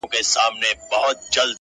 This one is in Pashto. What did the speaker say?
په دريو مياشتو به يې زړه په خلكو سوړ كړ-